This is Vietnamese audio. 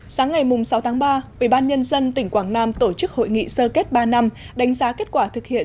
sáng ngày sáu tháng ba ubnd tỉnh quảng nam tổ chức hội nghị sơ kết ba năm đánh giá kết quả thực hiện